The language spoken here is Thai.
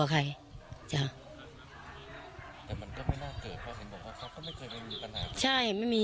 นางศรีพรายดาเสียยุ๕๑ปี